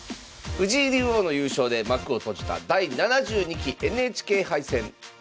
藤井竜王の優勝で幕を閉じた第７２期ＮＨＫ杯戦。